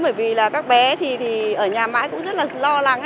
bởi vì là các bé thì ở nhà mãi cũng rất là lo lắng